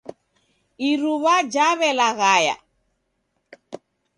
Iruw'a jaw'elaghaya.